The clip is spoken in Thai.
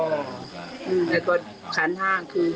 แล้วก็ขั้นภาครักษ์คือ